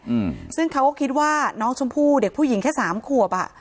อืมซึ่งเขาก็คิดว่าน้องชมพู่เด็กผู้หญิงแค่สามขวบอ่ะ